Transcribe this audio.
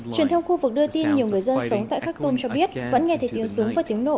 truyền thông khu vực đưa tin nhiều người dân sống tại khak tum cho biết vẫn nghe thấy tiền súng và tiếng nổ